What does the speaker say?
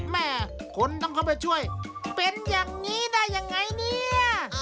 แม่คนต้องเข้าไปช่วยเป็นอย่างนี้ได้ยังไงเนี่ย